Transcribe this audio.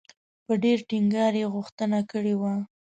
په ډېر ټینګار یې غوښتنه کړې وه.